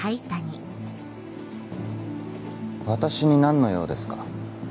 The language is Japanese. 私に何の用ですか。